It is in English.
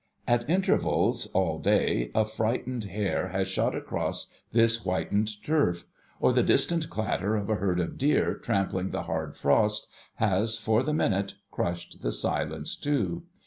At intervals, all CHRISTMAS TREE GHOSTS ii day, a frightened hare has shot across this whitened turf; or the distant clatter of a herd of deer trampHng the hard frost, has, for the minute, crushed the silence too.